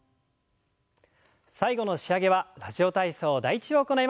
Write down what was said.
最後の仕上げは「ラジオ体操第１」を行います。